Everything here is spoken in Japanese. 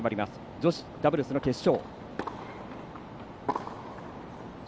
女子ダブルスの決勝。